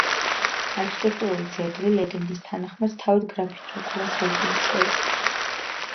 არქიტექტურული ძეგლი, ლეგენდის თანახმად, თავად გრაფი დრაკულას რეზიდენცია იყო.